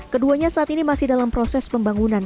keduanya saat ini masih dalam proses pembangunan